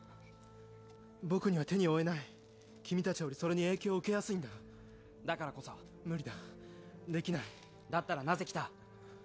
僕には手に負えない君達よりそれに影響を受けやすいんだだからこそ無理だできないだったらなぜ来た！